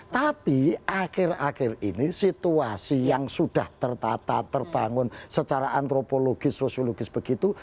tapi akhir akhir ini situasi yang sudah tertata terbangun secara antropologis sosiologis begitu